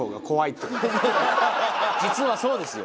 実はそうですよ。